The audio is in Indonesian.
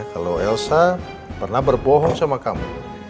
kalau elsa pernah berbohong sama kamu